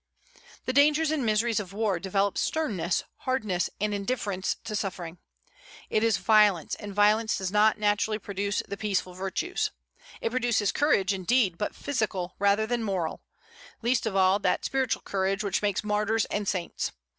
The dangers and miseries of war develop sternness, hardness, and indifference to suffering. It is violence; and violence does not naturally produce the peaceful virtues. It produces courage, indeed, but physical rather than moral, least of all, that spiritual courage which makes martyrs and saints.